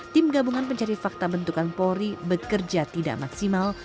tim gabungan pencari fakta bentukan polri bekerja tidak maksimal